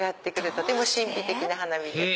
とても神秘的な花火です。